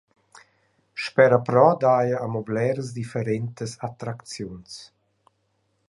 Sperapro daja amo bleras differentas attracziuns.